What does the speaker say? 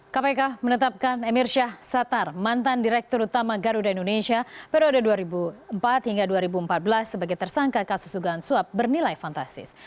kpk menetapkan emir syah satar mantan direktur utama garuda indonesia periode dua ribu empat hingga dua ribu empat belas sebagai tersangka kasus dugaan suap bernilai fantastis